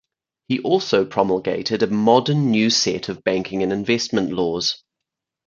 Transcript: He also promulgated a modern new set of banking and investment laws.